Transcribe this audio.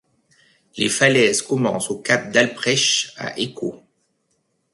Les falaises commencent au Cap d'Alprech à Écault.